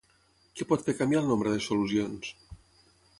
Què pot fer canviar el nombre de solucions?